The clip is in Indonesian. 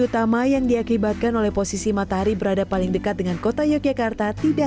utama yang diakibatkan oleh posisi matahari berada paling dekat dengan kota yogyakarta tidak